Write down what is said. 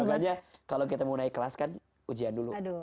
makanya kalau kita mau naik kelas kan ujian dulu